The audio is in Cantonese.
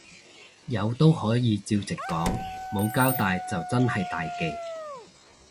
有都可以照直講，冇交帶就真係大忌